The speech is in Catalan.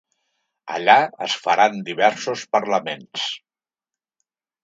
Allà es faran diversos parlaments.